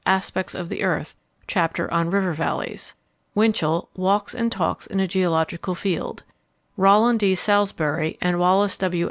Aspects of the Earth_, chapter on "River Valleys." Winchell, Walks and Talks in a Geological Field. Rollin D. Salisbury and Wallace W.